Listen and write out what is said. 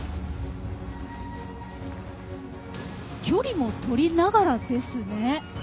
距離もとりながらですね。